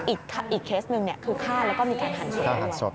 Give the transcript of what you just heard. อีกเคสหนึ่งคือฆ่าแล้วก็มีการหันศพด้วย